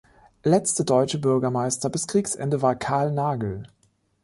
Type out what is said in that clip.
Letzte deutsche Bürgermeister bis Kriegsende war Karl Nagel.